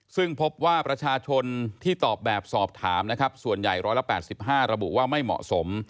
ซึ่งพบว่าประชาชนที่ตอบแบบสอบถามนะครับส่วนใหญ่๑๘๕ระบุว่าไม่เหมาะสม